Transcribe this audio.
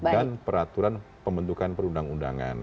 dan peraturan pembentukan perundang undangan